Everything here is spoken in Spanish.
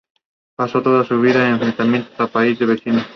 Pasó toda su vida en enfrentamientos con los países vecinos.